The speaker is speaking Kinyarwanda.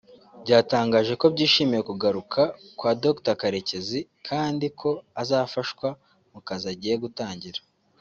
byatangaje ko byishimiye kugaruka kwa Dr Karekezi kandi ko azafashwa mu kazi agiye gutangira